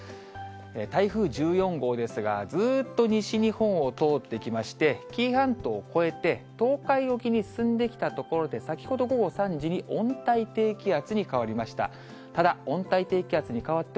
台風１４号ですが、ずーっと西日本を通ってきまして、紀伊半島を越えて、東海沖に進んできたところで、先ほど午後３時に温帯低気圧に変わりました。